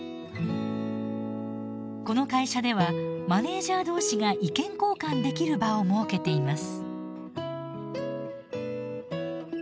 この会社ではマネージャー同士が意見交換できる場を設けています。